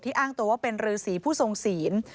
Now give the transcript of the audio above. อ้างตัวว่าเป็นรือสีผู้ทรงศีล